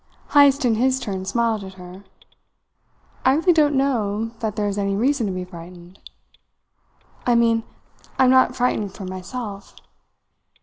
Heyst in his turn smiled at her. "I really don't know that there is any reason to be frightened." "I mean I am not frightened for myself."